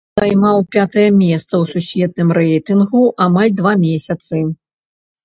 Займаў пятае месца ў сусветным рэйтынгу амаль два месяцы.